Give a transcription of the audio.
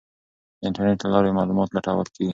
د انټرنیټ له لارې معلومات لټول کیږي.